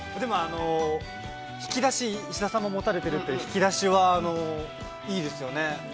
◆引き出し石田さんも持たれている引き出しはいいですよね。